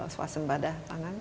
suasan badah tangan